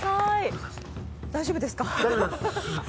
大丈夫ですか？